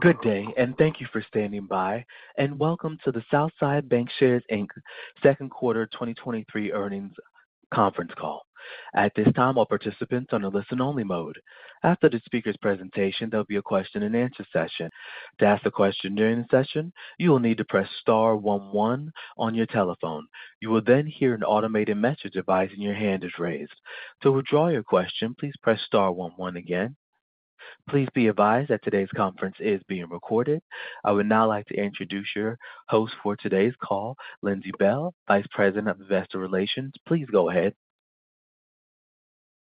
Good day, and thank you for standing by, and welcome to the Southside Bancshares, Inc. Q2 2023 earnings conference call. At this time, all participants on a listen only mode. After the speaker's presentation, there'll be a question and answer session. To ask a question during the session, you will need to press star one one on your telephone. You will then hear an automated message advising your hand is raised. To withdraw your question, please press star one one again. Please be advised that today's conference is being recorded. I would now like to introduce your host for today's call, Lindsey Bailes, Vice President of Investor Relations. Please go ahead.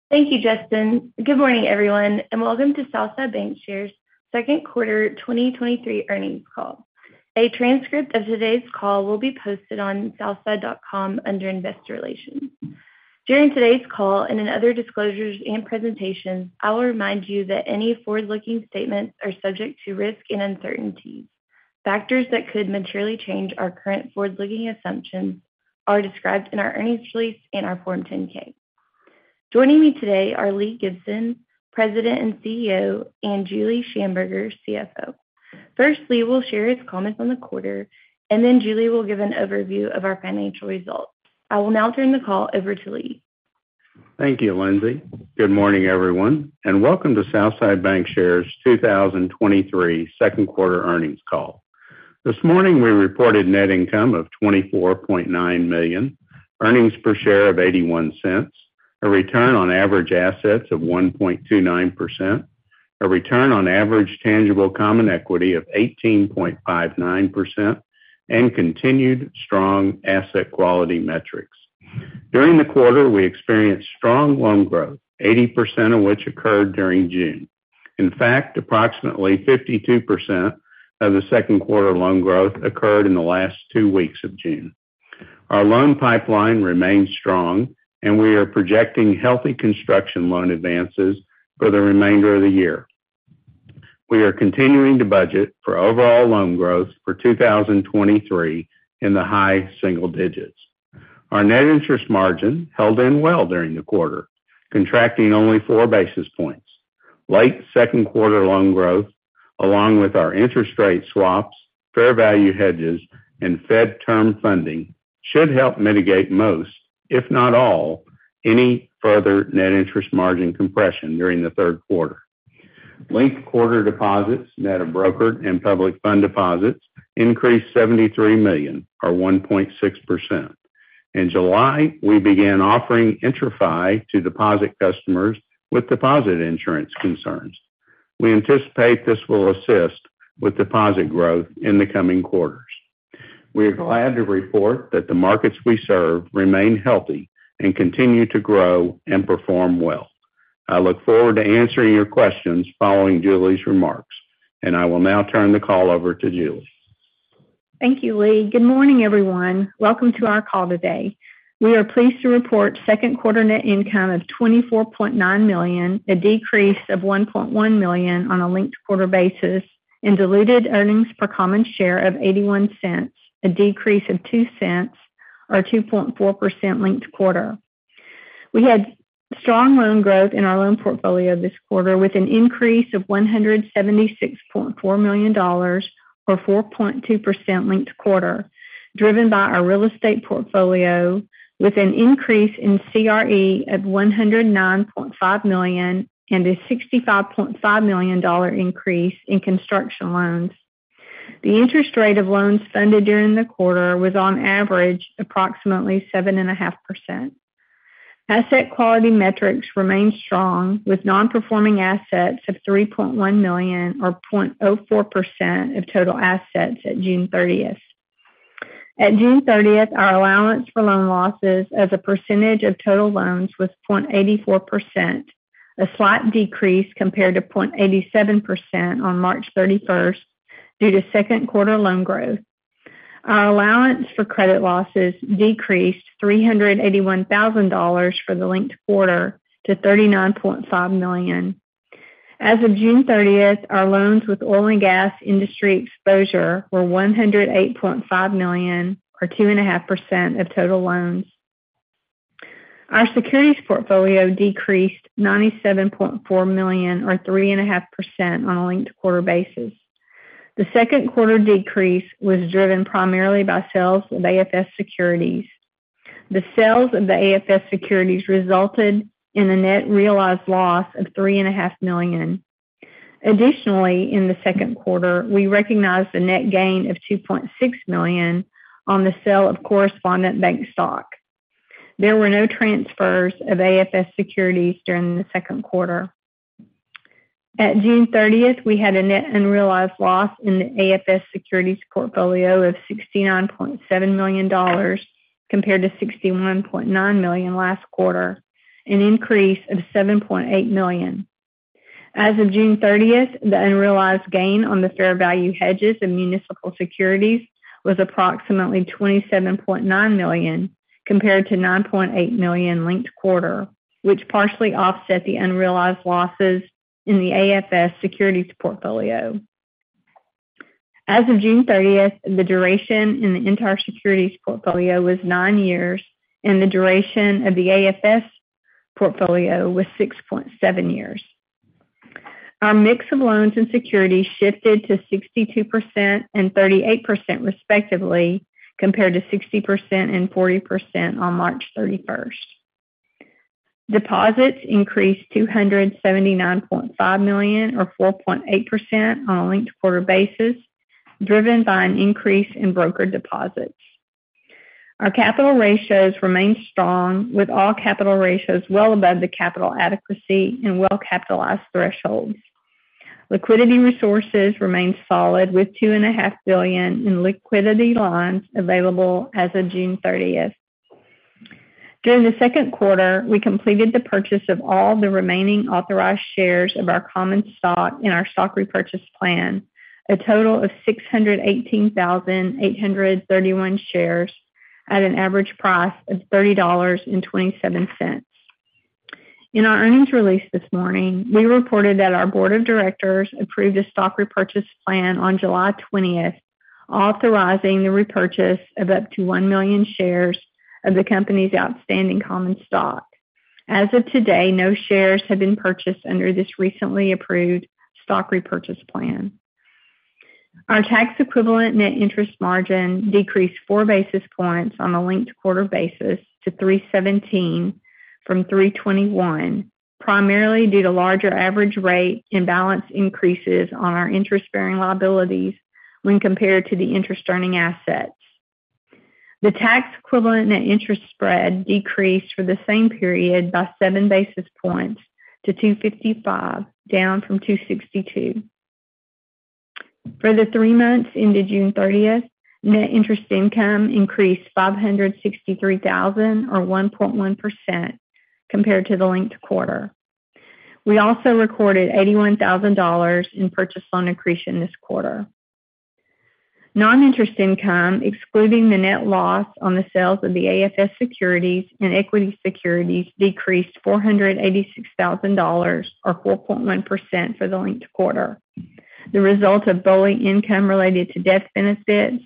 Thank you, Justin. Good morning, everyone, and welcome to Southside Bancshares Q2 2023 earnings call. A transcript of today's call will be posted on southside.com under Investor Relations. During today's call, in other disclosures and presentations, I will remind you that any forward-looking statements are subject to risk and uncertainty. Factors that could materially change our current forward-looking assumptions are described in our earnings release and our Form 10-K. Joining me today are Lee Gibson, President and CEO, and Julie Shamburger, CFO. First, Lee will share his comments on the quarter, then Julie will give an overview of our financial results. I will now turn the call over to Lee. Thank you, Lindsey. Good morning, everyone. Welcome to Southside Bancshares 2023 Q2 earnings call. This morning, we reported net income of $24.9 million, earnings per share of $0.81, a return on average assets of 1.29%, a return on average tangible common equity of 18.59%, continued strong asset quality metrics. During the quarter, we experienced strong loan growth, 80% of which occurred during June. In fact, approximately 52% of the Q2 loan growth occurred in the last two weeks of June. Our loan pipeline remains strong. We are projecting healthy construction loan advances for the remainder of the year. We are continuing to budget for overall loan growth for 2023 in the high single digits. Our net interest margin held in well during the quarter, contracting only 4 basis points. Late Q2 loan growth, along with our interest rate swaps, fair value hedges, and Fed term funding should help mitigate most, if not all, any further net interest margin compression during the Q3. Linked quarter deposits, net of brokered and public fund deposits increased $73 million, or 1.6%. In July, we began offering IntraFi to deposit customers with deposit insurance concerns. We anticipate this will assist with deposit growth in the coming quarters. We are glad to report that the markets we serve remain healthy and continue to grow and perform well. I look forward to answering your questions following Julie's remarks, and I will now turn the call over to Julie. Thank you, Lee. Good morning, everyone. Welcome to our call today. We are pleased to report Q2 net income of $24.9 million, a decrease of $1.1 million on a linked quarter basis and diluted earnings per common share of $0.81, a decrease of $0.02 or 2.4% linked quarter. We had strong loan growth in our loan portfolio this quarter, with an increase of $176.4 million, or 4.2% linked quarter, driven by our real estate portfolio, with an increase in CRE of $109.5 million and a $65.5 million increase in construction loans. The interest rate of loans funded during the quarter was on average, approximately 7.5%. Asset quality metrics remained strong, with non-performing assets of $3.1 million, or 0.04% of total assets at June 30th. At June 30th, our allowance for loan losses as a percentage of total loans was 0.84%, a slight decrease compared to 0.87% on March 31st, due to Q2 loan growth. Our allowance for credit losses decreased $381,000 for the linked quarter to $39.5 million. As of June 30th, our loans with oil and gas industry exposure were $108.5 million, or 2.5% of total loans. Our securities portfolio decreased $97.4 million or 3.5% on a linked quarter basis. The Q2 decrease was driven primarily by sales of AFS Securities. The sales of the AFS Securities resulted in a net realized loss of $three and a half million. Additionally, in the Q2, we recognized a net gain of $2.6 million on the sale of correspondent bank stock. There were no transfers of AFS Securities during the Q2. At June thirtieth, we had a net unrealized loss in the AFS Securities portfolio of $69.7 million dollars, compared to $61.9 million last quarter, an increase of $7.8 million. As of June 30th, the unrealized gain on the fair value hedges in municipal securities was approximately $27.9 million, compared to $9.8 million linked quarter, which partially offset the unrealized losses in the AFS securities portfolio. As of June 30th, the duration in the entire securities portfolio was nine years, and the duration of the AFS portfolio was 6.7 years. Our mix of loans and securities shifted to 62% and 38%, respectively, compared to 60% and 40% on March 31st. Deposits increased $279.5 million, or 4.8% on a linked quarter basis, driven by an increase in broker deposits. Our capital ratios remain strong, with all capital ratios well above the capital adequacy and well-capitalized thresholds. Liquidity resources remain solid, with $2.5 billion in liquidity lines available as of June 30th. During the Q2, we completed the purchase of all the remaining authorized shares of our common stock in our stock repurchase plan, a total of 618,831 shares at an average price of $30.27. In our earnings release this morning, we reported that our board of directors approved a stock repurchase plan on July twentieth, authorizing the repurchase of up to 1 million shares of the company's outstanding common stock. As of today, no shares have been purchased under this recently approved stock repurchase plan. Our tax equivalent net interest margin decreased 4 basis points on a linked quarter basis to 3.17 from 3.21, primarily due to larger average rate and balance increases on our interest-bearing liabilities when compared to the interest-earning assets. The tax equivalent net interest spread decreased for the same period by 7 basis points to 255, down from 262. For the three months ended June thirtieth, net interest income increased $563,000, or 1.1%, compared to the linked quarter. We also recorded $81,000 in purchase loan accretion this quarter. Non-interest income, excluding the net loss on the sales of the AFS securities and equity securities, decreased $486,000, or 4.1% for the linked quarter. The result of BOLI income related to death benefits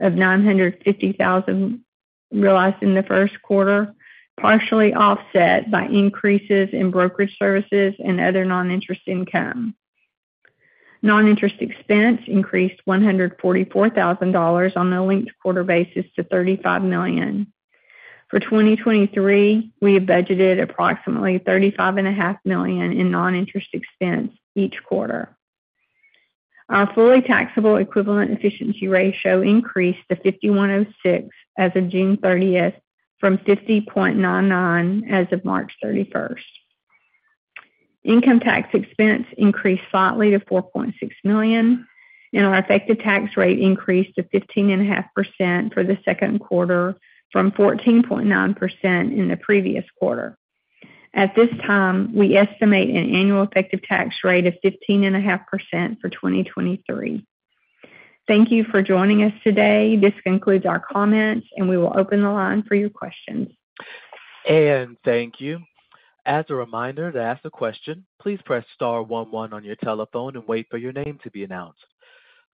of $950,000 realized in the Q1, partially offset by increases in brokerage services and other non-interest income. Non-interest expense increased $144,000 on a linked quarter basis to $35 million. For 2023, we have budgeted approximately $35 and a half million in non-interest expense each quarter. Our fully taxable equivalent efficiency ratio increased to 51.6% as of June 30th from 50.99% as of March 31st. Income tax expense increased slightly to $4.6 million, and our effective tax rate increased to 15.5% for the Q2 from 14.9% in the previous quarter. At this time, we estimate an annual effective tax rate of 15.5% for 2023. Thank you for joining us today. This concludes our comments, and we will open the line for your questions. Thank you. As a reminder, to ask a question, please press star 1 on your telephone and wait for your name to be announced.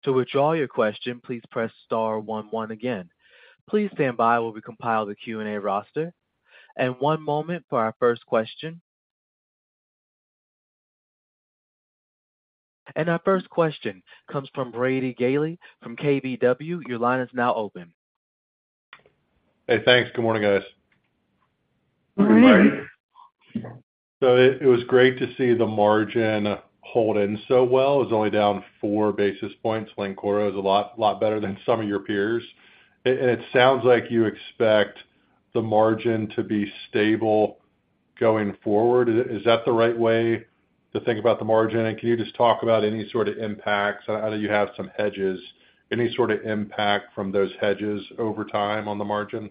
To withdraw your question, please press star 1 again. Please stand by while we compile the Q&A roster. One moment for our first question. Our first question comes from Brady Gailey from KBW. Your line is now open. Hey, thanks. Good morning, guys. Good morning. It was great to see the margin hold in so well. It was only down 4 basis points. Linked quarter is a lot better than some of your peers. It sounds like you expect the margin to be stable going forward. Is that the right way to think about the margin? Can you just talk about any sort of impacts, how do you have some hedges, any sort of impact from those hedges over time on the margin?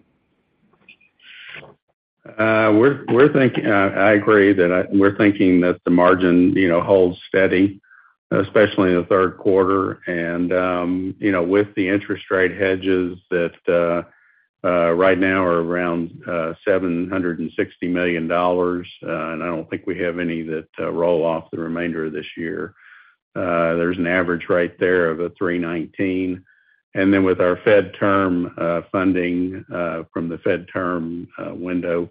We're thinking, I agree that we're thinking that the margin, you know, holds steady, especially in the Q3. You know, with the interest rate hedges that right now are around $760 million, I don't think we have any that roll off the remainder of this year. There's an average right there of a 3.19. With our Fed term funding from the Fed term window,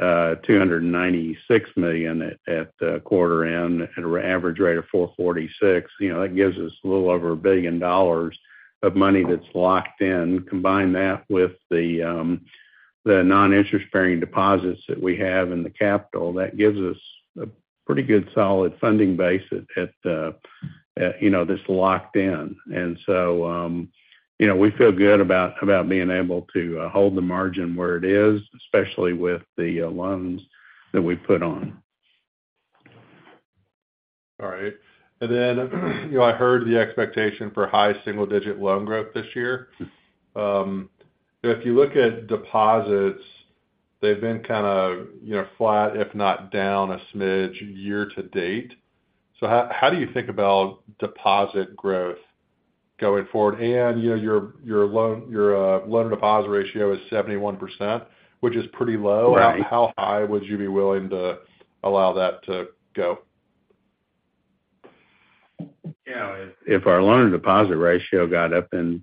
$296 million at quarter end at an average rate of 4.46, you know, that gives us a little over $1 billion of money that's locked in. Combine that with the non-interest-bearing deposits that we have in the capital, that gives us a pretty good solid funding base at, you know, that's locked in. You know, we feel good about being able to hold the margin where it is, especially with the loans that we put on. All right. Then, you know, I heard the expectation for high single-digit loan growth this year. If you look at deposits, they've been kind of, you know, flat, if not down a smidge year to date. How do you think about deposit growth going forward? You know, your loan, your loan deposit ratio is 71%, which is pretty low. Right. How high would you be willing to allow that to go? Yeah, if our loan-to-deposit ratio got up into,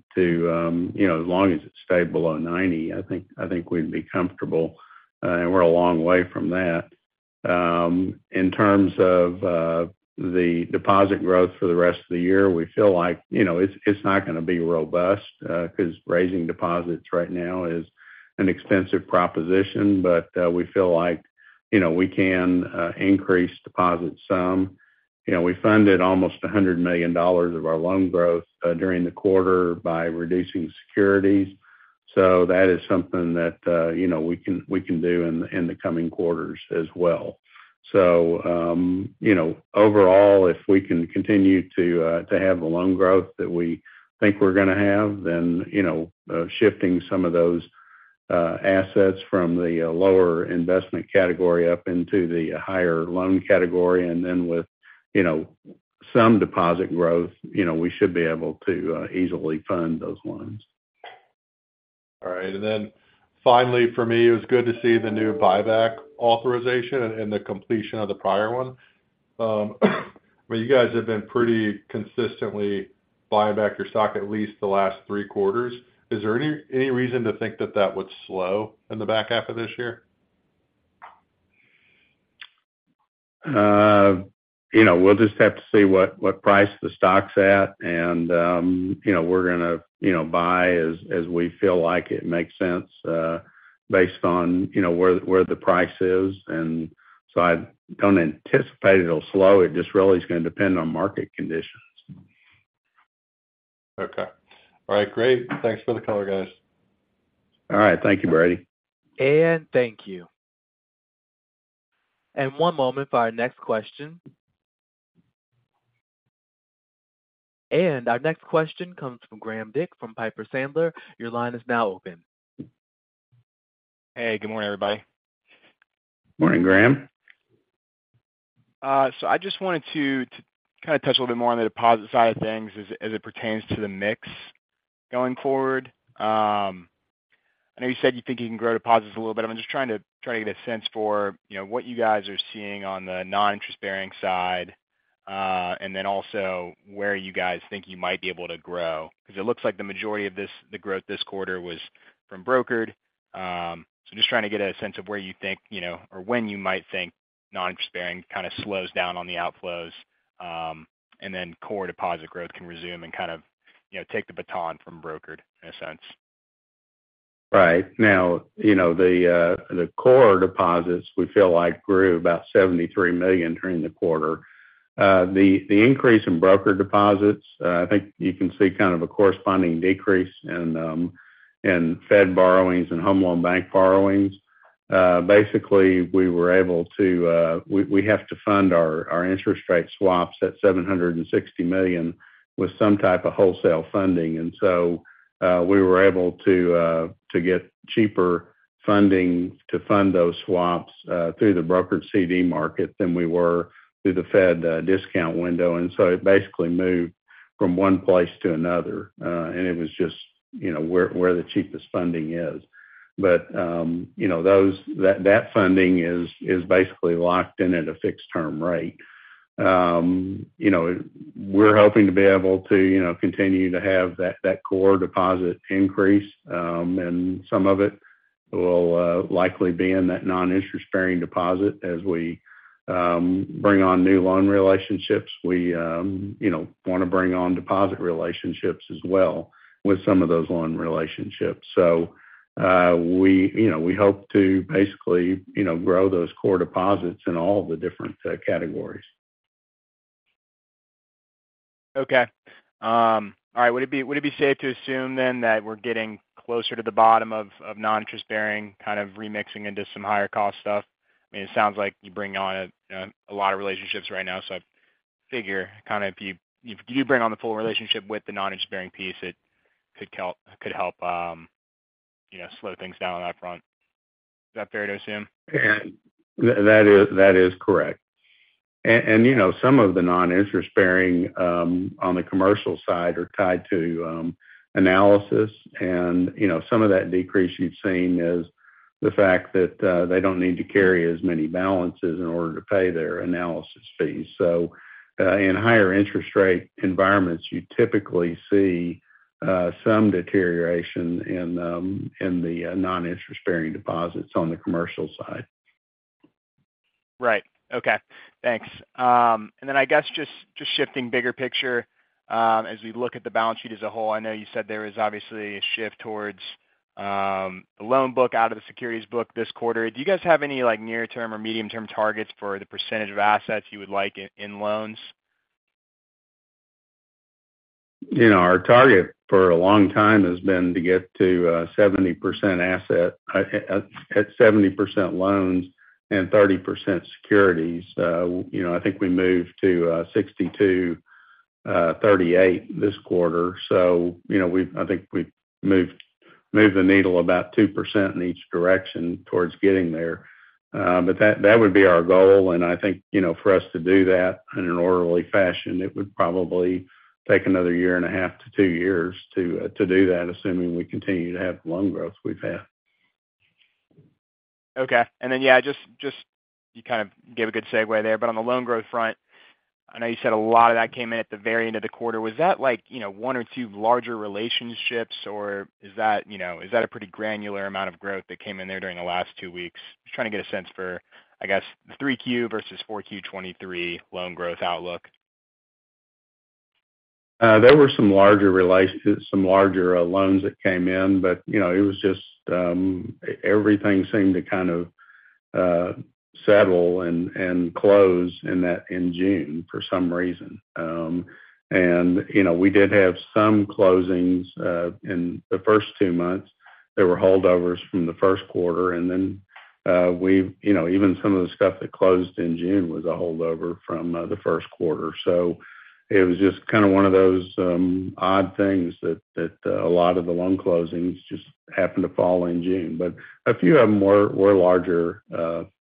you know, as long as it stayed below 90, I think we'd be comfortable. We're a long way from that. In terms of the deposit growth for the rest of the year, we feel like, you know, it's not gonna be robust, 'cause raising deposits right now is an expensive proposition. We feel like, you know, we can increase deposit some. You know, we funded almost $100 million of our loan growth during the quarter by reducing securities. That is something that, you know, we can do in the coming quarters as well. You know, overall, if we can continue to have the loan growth that we think we're gonna have, then, you know, shifting some of those assets from the lower investment category up into the higher loan category, and then with, you know, some deposit growth, you know, we should be able to easily fund those loans. All right. Finally, for me, it was good to see the new buyback authorization and the completion of the prior one. You guys have been pretty consistently buying back your stock at least the last three quarters. Is there any reason to think that that would slow in the back half of this year? You know, we'll just have to see what price the stock's at, and, you know, we're gonna, you know, buy as we feel like it makes sense, based on, you know, where the price is. I don't anticipate it'll slow. It just really is gonna depend on market conditions. Okay. All right, great. Thanks for the color, guys. All right. Thank you, Brady. Thank you. One moment for our next question. Our next question comes from Graham Dick, from Piper Sandler. Your line is now open. Hey, good morning, everybody. Morning, Graham. I just wanted to kind of touch a little bit more on the deposit side of things as it pertains to the mix going forward. I know you said you think you can grow deposits a little bit, I'm just trying to get a sense for, you know, what you guys are seeing on the non-interest-bearing side, and then also where you guys think you might be able to grow. Because it looks like the majority of this, the growth this quarter was from brokered. Just trying to get a sense of where you think, you know, or when you might think non-interest-bearing kind of slows down on the outflows, and then core deposit growth can resume and kind of, you know, take the baton from brokered, in a sense. Right. Now, you know, the core deposits, we feel like, grew about $73 million during the quarter. The increase in brokered deposits, I think you can see kind of a corresponding decrease in Fed borrowings and Home Loan Bank borrowings. Basically, we were able to, we have to fund our interest rate swaps at $760 million with some type of wholesale funding. We were able to get cheaper funding to fund those swaps through the brokered CD market than we were through the Fed discount window. It basically moved from one place to another, and it was just, you know, where the cheapest funding is. You know, that funding is basically locked in at a fixed-term rate. You know, we're hoping to be able to, you know, continue to have that core deposit increase, and some of it will likely be in that non-interest-bearing deposit. As we bring on new loan relationships, we, you know, want to bring on deposit relationships as well with some of those loan relationships. We, you know, we hope to basically, you know, grow those core deposits in all the different categories. Okay. All right. Would it be safe to assume then that we're getting closer to the bottom of non-interest-bearing, kind of remixing into some higher cost stuff? I mean, it sounds like you bring on a lot of relationships right now, I figure kind of if you bring on the full relationship with the non-interest-bearing piece, it could help, you know, slow things down on that front. Is that fair to assume? Yeah, that is correct. you know, some of the non-interest-bearing on the commercial side are tied to analysis. you know, some of that decrease you've seen is the fact that they don't need to carry as many balances in order to pay their analysis fees. in higher interest rate environments, you typically see some deterioration in the non-interest-bearing deposits on the commercial side. Right. Okay, thanks. I guess just shifting bigger picture, as we look at the balance sheet as a whole, I know you said there is obviously a shift towards the loan book out of the securities book this quarter. Do you guys have any, like, near-term or medium-term targets for the percentage of assets you would like in loans? You know, our target for a long time has been to get to 70% loans and 30% securities. You know, I think we moved to 62, 38 this quarter. You know, I think we've moved the needle about 2% in each direction towards getting there. That would be our goal, and I think, you know, for us to do that in an orderly fashion, it would probably take another 1.5 to 2 years to do that, assuming we continue to have the loan growth we've had. Okay. Then, yeah, just you kind of gave a good segue there, but on the loan growth front, I know you said a lot of that came in at the very end of the quarter. Was that like, you know, one or two larger relationships, or is that, you know, is that a pretty granular amount of growth that came in there during the last two weeks? Just trying to get a sense for, I guess, 3Q versus 4Q 2023 loan growth outlook. There were some larger relations, larger loans that came in. You know, it was just, everything seemed to kind of settle and close in that in June for some reason. You know, we did have some closings, in the first two months. There were holdovers from the Q1, and then, You know, even some of the stuff that closed in June was a holdover from, the Q1. It was just kind of one of those, odd things that a lot of the loan closings just happened to fall in June. A few of them were larger,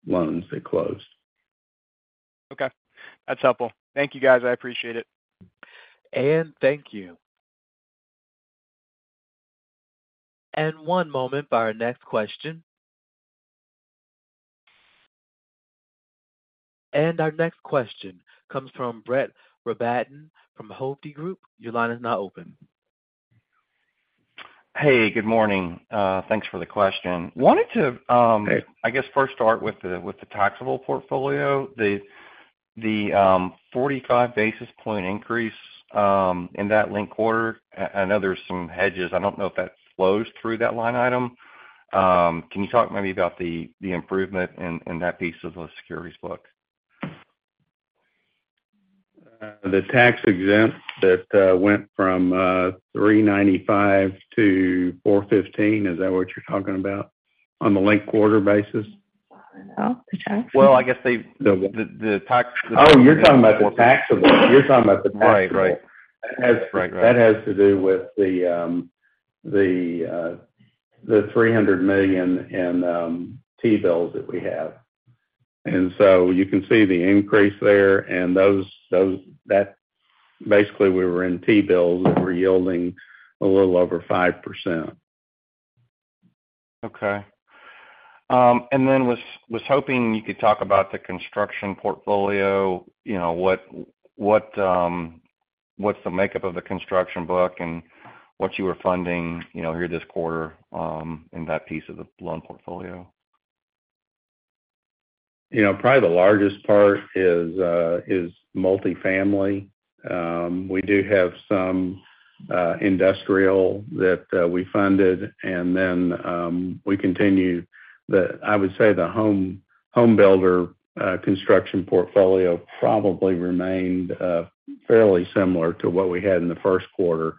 loans that closed. Okay. That's helpful. Thank you, guys. I appreciate it. Thank you. One moment for our next question. Our next question comes from Brett Rabatin, from Hovde Group. Your line is now open. Hey, good morning. Thanks for the question. Wanted to, Hey. I guess first start with the taxable portfolio. The 45 basis point increase in that linked quarter, I know there's some hedges. I don't know if that flows through that line item. Can you talk maybe about the improvement in that piece of the securities book? The tax exempt that went from 395 to 415, is that what you're talking about on the linked quarter basis? Well, the tax. Well, I guess the. Oh, you're talking about the taxable. Right. Right. That has- Right. Right. That has to do with the, the $300 million in T-bills that we have. You can see the increase there, and those that basically we were in T-bills that were yielding a little over 5%. Okay. Was hoping you could talk about the construction portfolio. You know, what's the makeup of the construction book and what you were funding, you know, here this quarter, in that piece of the loan portfolio? You know, probably the largest part is multifamily. We do have some industrial that we funded, and then, we continue I would say the home builder construction portfolio probably remained fairly similar to what we had in the Q1.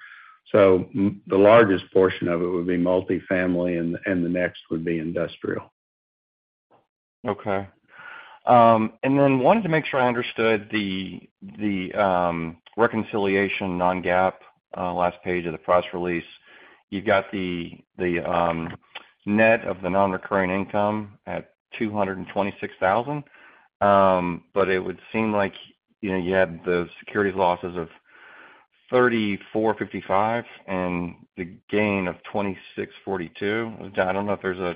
The largest portion of it would be multifamily, and the next would be industrial. Okay. Wanted to make sure I understood the reconciliation non-GAAP last page of the press release. You've got the net of the non-recurring income at $226,000. But it would seem like, you know, you had the securities losses of $3,455 and the gain of $2,642. I don't know if there's a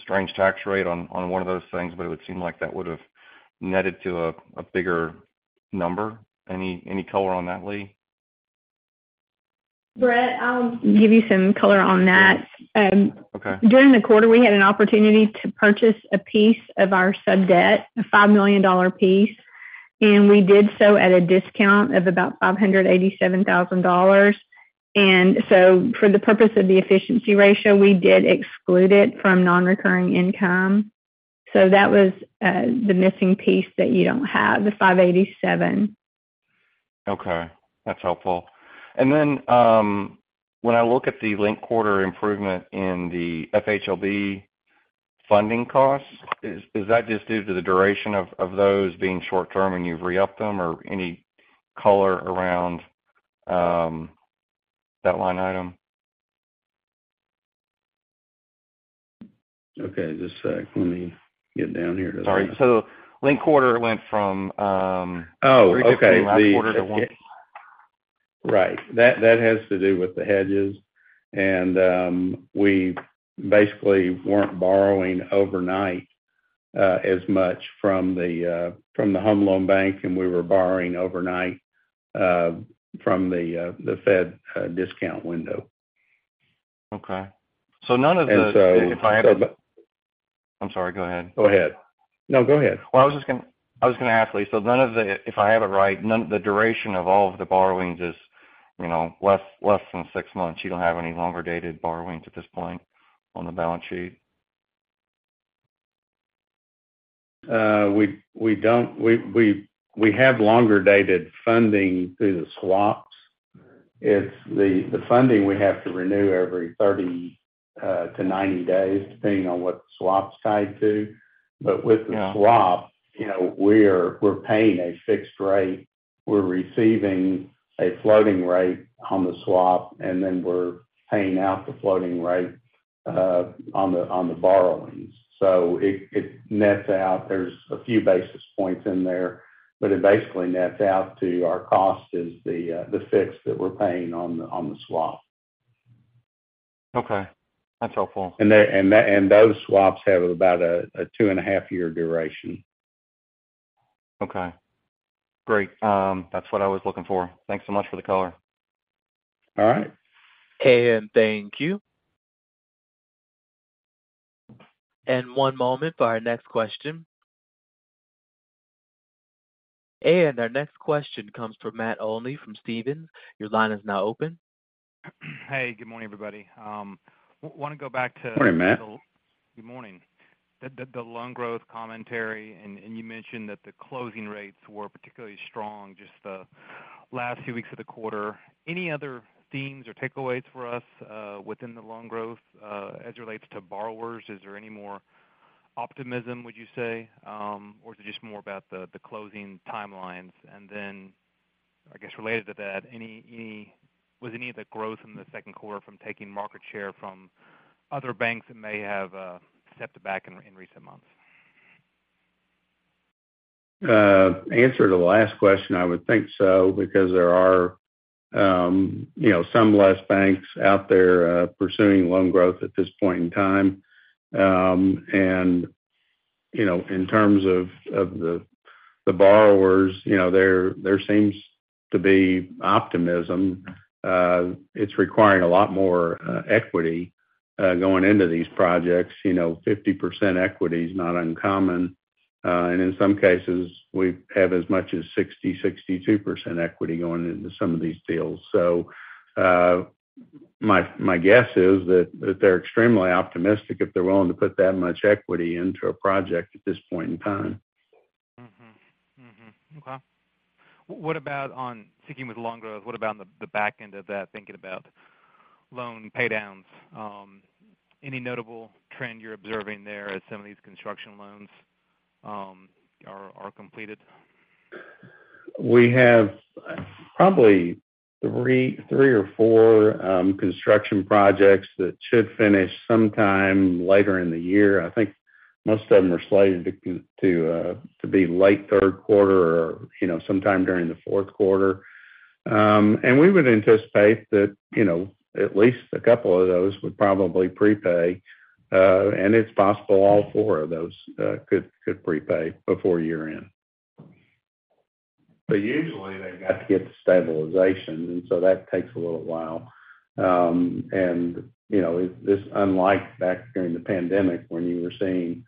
strange tax rate on one of those things, but it would seem like that would've netted to a bigger number. Any color on that, Lee? Brett, I'll give you some color on that. Okay. During the quarter, we had an opportunity to purchase a piece of our subdebt, a $5 million piece, and we did so at a discount of about $587,000. For the purpose of the efficiency ratio, we did exclude it from non-recurring income. That was the missing piece that you don't have, the $587,000. Okay. That's helpful. When I look at the linked quarter improvement in the FHLB funding costs, is that just due to the duration of those being short term and you've re-upped them or any color around that line item? Okay. Just a sec. Let me get down here to that. Sorry. Linked quarter went from... Oh, okay. 3.50 last quarter to 1. Right. That has to do with the hedges. We basically weren't borrowing overnight as much from the Home Loan Bank, and we were borrowing overnight from the Fed discount window. Okay. none of the- And so- I'm sorry, go ahead. Go ahead. No, go ahead. I was just gonna ask, Lee, if I have it right, the duration of all of the borrowings is, you know, less than six months. You don't have any longer-dated borrowings at this point on the balance sheet? We have longer-dated funding through the swaps. It's the funding we have to renew every 30 to 90 days, depending on what the swaps tied to. Yeah. With the swap, you know, we're paying a fixed rate, we're receiving a floating rate on the swap, and then we're paying out the floating rate on the borrowings. It nets out. There's a few basis points in there, but it basically nets out to our cost is the fixed that we're paying on the swap. Okay, that's helpful. Those swaps have about a two and a half year duration. Okay, great. That's what I was looking for. Thanks so much for the color. All right. Thank you. One moment for our next question. Our next question comes from Matt Olney from Stephens. Your line is now open. Hey, good morning, everybody. Wanna go back to. Good morning, Matt. Good morning. The loan growth commentary, and you mentioned that the closing rates were particularly strong just the last few weeks of the quarter. Any other themes or takeaways for us within the loan growth, as it relates to borrowers? Is there any more optimism, would you say, or is it just more about the closing timelines? Then, I guess, related to that, was any of the growth in the Q2 from taking market share from other banks that may have stepped back in recent months? Answer to the last question, I would think so, because there are, you know, some less banks out there pursuing loan growth at this point in time. You know, in terms of the borrowers, you know, there seems to be optimism. It's requiring a lot more equity going into these projects. You know, 50% equity is not uncommon, and in some cases, we have as much as 60%-62% equity going into some of these deals. My guess is that they're extremely optimistic if they're willing to put that much equity into a project at this point in time. Mm-hmm. Mm-hmm. Okay. What about on, sticking with loan growth, what about on the back end of that, thinking about loan pay downs? Any notable trend you're observing there as some of these construction loans are completed? We have probably three or four construction projects that should finish sometime later in the year. I think most of them are slated to be late Q3 or, you know, sometime during the fourth quarter. We would anticipate that, you know, at least a couple of those would probably prepay, and it's possible all four of those could prepay before year-end. Usually, they've got to get to stabilization, and so that takes a little while. You know, this, unlike back during the pandemic, when you were seeing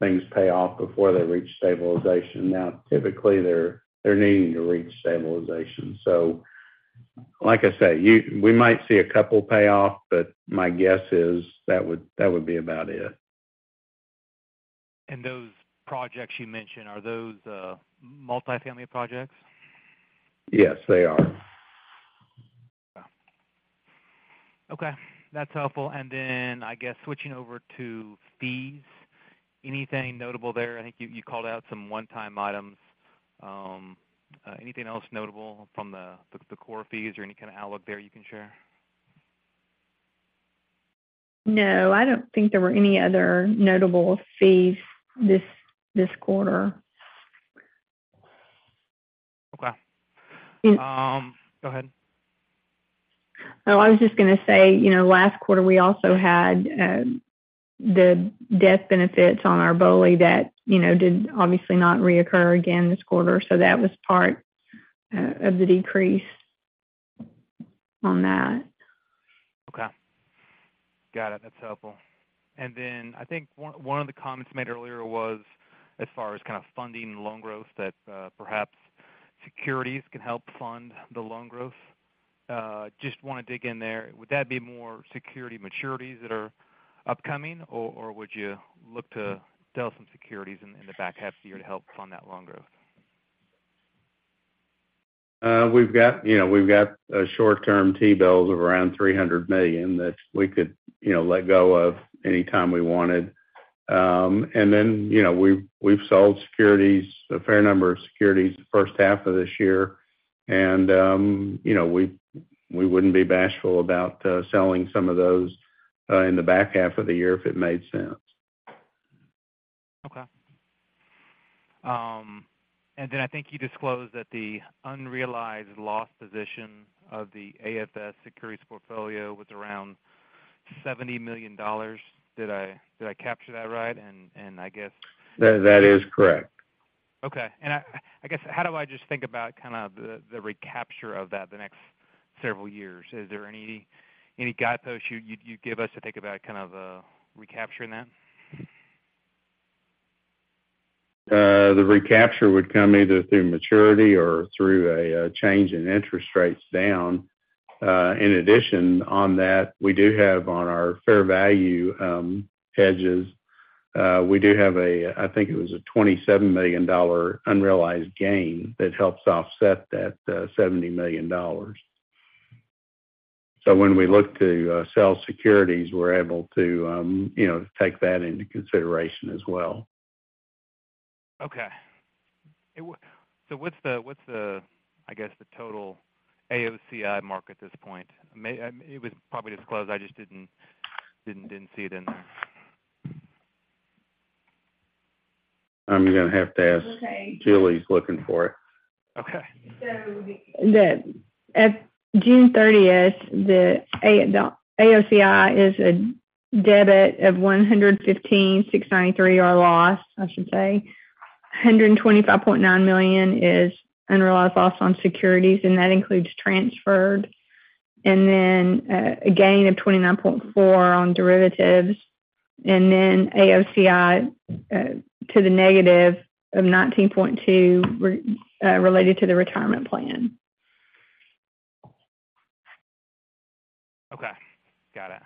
things pay off before they reached stabilization, now, typically, they're needing to reach stabilization. Like I say, we might see a couple pay off, but my guess is that would be about it. Those projects you mentioned, are those multifamily projects? Yes, they are. Okay, that's helpful. I guess switching over to fees, anything notable there? I think you called out some one-time items. Anything else notable from the core fees or any kind of outlook there you can share? No, I don't think there were any other notable fees this quarter. Okay. And- Go ahead. Oh, I was just going to say, you know, last quarter, we also had the death benefits on our BOLI that, you know, did obviously not reoccur again this quarter. That was part of the decrease on that. Okay. Got it. That's helpful. I think one of the comments made earlier was, as far as kind of funding loan growth, that perhaps securities can help fund the loan growth. Just want to dig in there. Would that be more security maturities that are upcoming, or would you look to sell some securities in the back half of the year to help fund that loan growth? We've got, you know, we've got short-term T-bills of around $300 million that we could, you know, let go of anytime we wanted. Then, you know, we've sold securities, a fair number of securities the first half of this year. You know, we wouldn't be bashful about selling some of those in the back half of the year if it made sense. Okay. I think you disclosed that the unrealized loss position of the AFS securities portfolio was around $70 million. Did I capture that right? That is correct. Okay. I guess, how do I just think about kind of the recapture of that the next several years? Is there any guideposts you'd give us to think about kind of recapturing that? The recapture would come either through maturity or through a change in interest rates down. In addition on that, we do have on our fair value hedges, we do have a, I think it was a $27 million unrealized gain that helps offset that $70 million. When we look to sell securities, we're able to, you know, take that into consideration as well. Okay. What's the, I guess, the total AOCI mark at this point? May, it was probably disclosed, I just didn't see it in there.... I'm gonna have to ask. Okay. Julie's looking for it. Okay. At June 30th, the AOCI is a debit of $115,693 are loss, I should say. $125.9 million is unrealized loss on securities, and that includes transferred, and then a gain of $29.4 on derivatives, and then AOCI to the negative of $19.2 related to the retirement plan. Okay, got it.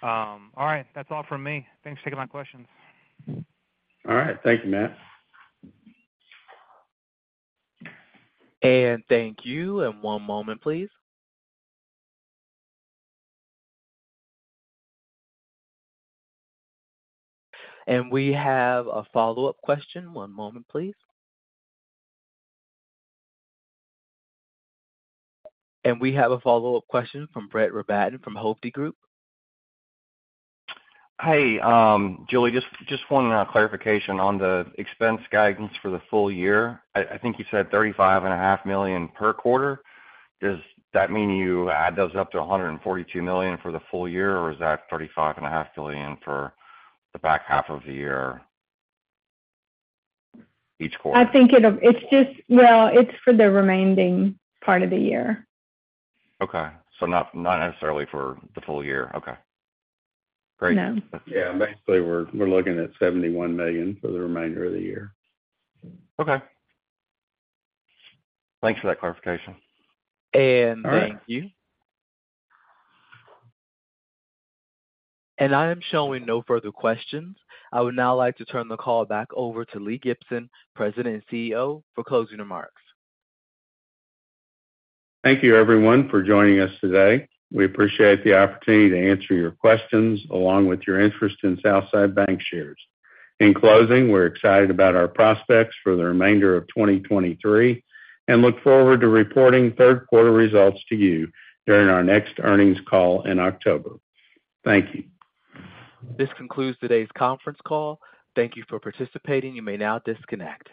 All right, that's all from me. Thanks for taking my questions. All right. Thank you, Matt. Thank you, and one moment, please. We have a follow-up question. One moment, please. We have a follow-up question from Brett Rabatin from Hovde Group. Hey, Julie, just one clarification on the expense guidance for the full year. I think you said thirty-five and a half million per quarter. Does that mean you add those up to $142 million for the full year, or is that thirty-five and a half million for the back half of the year, each quarter? I think It's just. Well, it's for the remaining part of the year. Okay. not necessarily for the full year. Okay, great. No. Yeah. Basically, we're looking at $71 million for the remainder of the year. Okay. Thanks for that clarification. Thank you. All right. I am showing no further questions. I would now like to turn the call back over to Lee Gibson, President and CEO, for closing remarks. Thank you, everyone, for joining us today. We appreciate the opportunity to answer your questions, along with your interest in Southside Bancshares. In closing, we're excited about our prospects for the remainder of 2023 and look forward to reporting Q3 results to you during our next earnings call in October. Thank you. This concludes today's conference call. Thank you for participating. You may now disconnect.